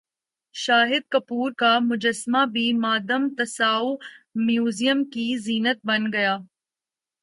شاہد کپور کا مجسمہ بھی مادام تساو میوزم کی زینت بن گیا